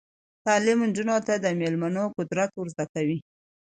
تعلیم نجونو ته د میلمنو قدر ور زده کوي.